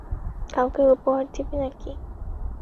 কাউকে উপহার দিবে নাকি?